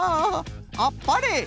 あっぱれ！